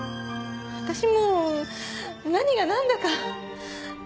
私もう何がなんだか。